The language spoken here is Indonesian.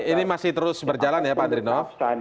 ini masih terus berjalan ya pak adrinov